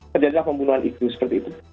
terjadilah pembunuhan itu seperti itu